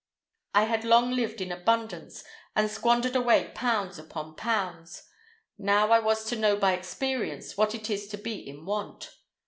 I had long lived in abundance, and squandered away pounds upon pounds; now I was to know by experience what it is to be in want.